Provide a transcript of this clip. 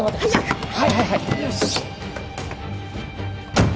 よし。